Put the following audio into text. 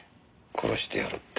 殺してやるって。